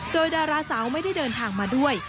โดยดาราสาวไม่ได้เดินทางมาด้วย